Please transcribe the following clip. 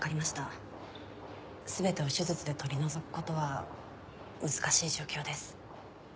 全てを手術で取り除く事は難しい状況です。